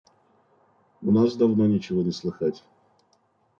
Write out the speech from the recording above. – У нас давно ничего не слыхать.